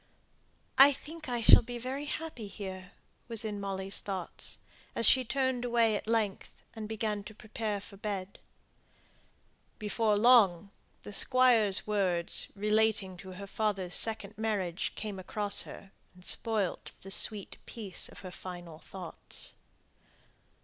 "I think I shall be very happy here," was in Molly's thoughts, as she turned away at length, and began to prepare for bed. Before long the Squire's words, relating to her father's second marriage, came across her, and spoilt the sweet peace of her final thoughts.